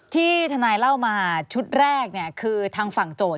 ที่ทนายเล่ามาชุดแรกคือทางฝั่งโจทย